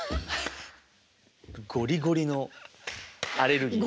ゴリゴリのアレルギーで。